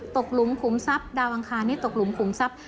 หลุมขุมทรัพย์ดาวอังคารนี้ตกหลุมขุมทรัพย